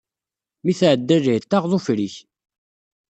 Mi tɛedda lɛid, taɣeḍ ufrik.